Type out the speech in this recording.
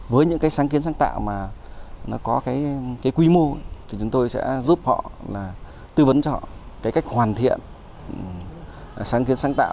với những sáng kiến sáng tạo có quy mô chúng tôi sẽ giúp họ tư vấn cho họ cách hoàn thiện sáng kiến sáng tạo